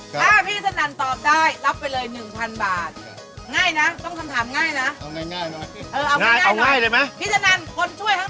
ตราประจำจังหวัดนะคะรปฐม